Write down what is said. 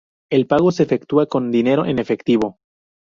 El pago se efectúa con dinero en efectivo.